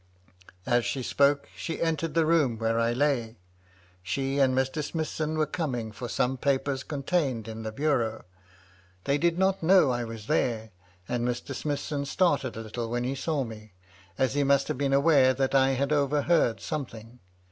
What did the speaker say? As she spoke, she entered the room where I lay. She and Mr. Smithson were coming for some papers contained in the bureau. They did not know I was there, and Mr. Smithson started a little when he saw me, as he must have been aware that I had overheard something.